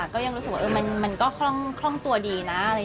ก็ยังรู้สึกว่ามันก็คล่องตัวดีนะ